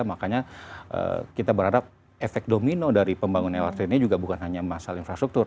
makanya kita berharap efek domino dari pembangunan lrt ini juga bukan hanya masalah infrastruktur